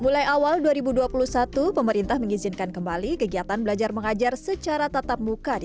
mulai awal dua ribu dua puluh satu pemerintah mengizinkan kembali kegiatan belajar mengajar secara tatap muka di